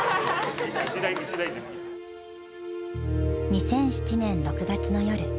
２００７年６月の夜。